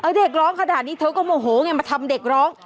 เด็กร้องขนาดนี้เธอก็โมโหไงมาทำเด็กร้อง